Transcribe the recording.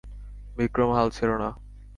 বিক্রম, হাল ছেঁড়ো না!